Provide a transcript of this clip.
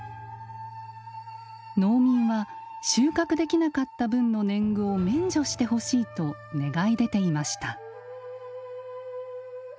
農民は収穫できなかった分の年貢を免除してほしいと願い出ていました。